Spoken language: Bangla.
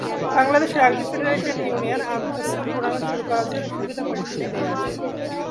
বাংলাদেশ রাগবি ফেডারেশন ইউনিয়ন আন্তঃ-স্কুল টুর্নামেন্ট শুরু করার জন্য এই শিশুদের প্রশিক্ষণ দিয়ে আসছে।